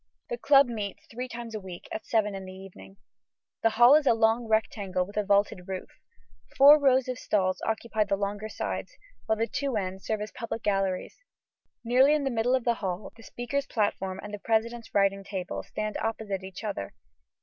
The club meets three times a week, at seven in the evening. The hall is a long rectangle with a vaulted roof. Four rows of stalls occupy the longer sides, while the two ends serve as public galleries. Nearly in the middle of the hall, the speaker's platform and the president's writing table stand opposite each other.